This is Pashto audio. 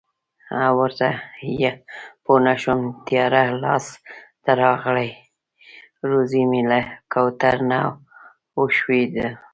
ورته پوه نشوم تیاره لاس ته راغلې روزي مې له ګوتو نه و ښویېده.